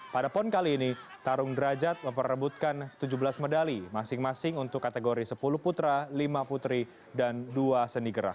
pada pon kali ini tarung derajat memperebutkan tujuh belas medali masing masing untuk kategori sepuluh putra lima putri dan dua seni gerak